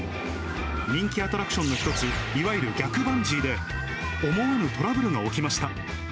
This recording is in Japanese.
人気アトラクションの一つ、いわゆる逆バンジーで、思わぬトラブルが起きました。